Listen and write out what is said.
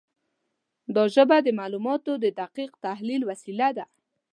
دا ژبه د معلوماتو د دقیق تحلیل وسیله ده.